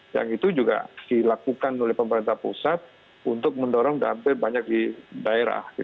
yang itu juga dilakukan oleh pemerintah pusat untuk mendorong dampak banyak di daerah